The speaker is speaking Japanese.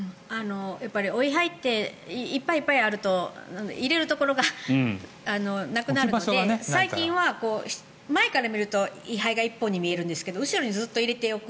お位牌っていっぱいあると入れるところがなくなるので最近は前から見ると位牌が１本に見えるんですが後ろに何本も入れておく。